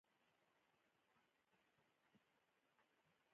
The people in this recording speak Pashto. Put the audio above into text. د غله او رحزن په فتوا له منځه ځي.